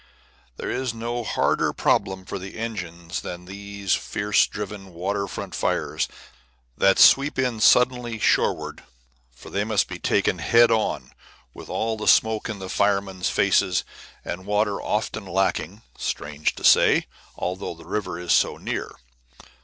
There is no harder problem for the engines than these fierce driven water front fires that sweep in suddenly shoreward, for they must be taken head on, with all the smoke in the firemen's faces, and water often lacking, strange to say, although the river is so near.